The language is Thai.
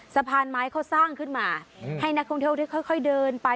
สะพานไม้เขาสร้างขึ้นมาให้นักท่องเที่ยวได้ค่อยเดินไป